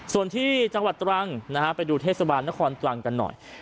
ส่วนที่จังหวัดตรังนะฮะไปดูเทศบาลนครตรังกันหน่อย